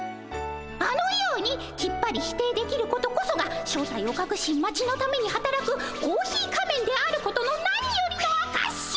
あのようにきっぱり否定できることこそが正体をかくし町のためにはたらくコーヒー仮面であることの何よりのあかし！